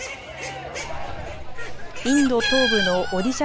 インド東部のオディシャ